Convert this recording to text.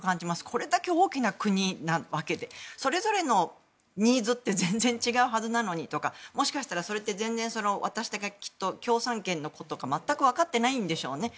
これだけ大きな国なわけでそれぞれのニーズって全然違うはずなのにとかもしかしたら、全然私たちは共産圏のこととか全く分かってないんでしょうね。